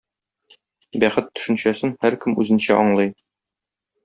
Бәхет төшенчәсен һәркем үзенчә аңлый.